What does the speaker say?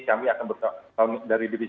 kami akan dari divisi